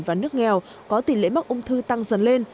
và nước nghèo có tỷ lệ mắc ung thư tăng dần lên